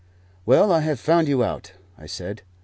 "Well, I have found you out," I said.